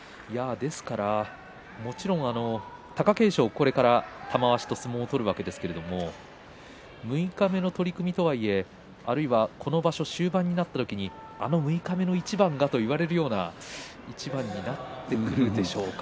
ですから、もちろん貴景勝これから玉鷲と相撲を取るわけですが六日目の取組とはいえあるいはこの場所終盤になった時にあの中盤の一番だったということになってくるんでしょうか。